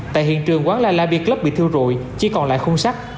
tại hiện trường quán la la beer club bị thư rụi chỉ còn lại khung sắt